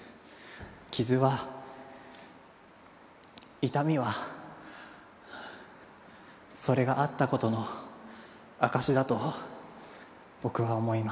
傷は痛みはそれがあった事の証しだと僕は思います。